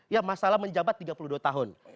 ya masalah menjabat tiga puluh dua tahun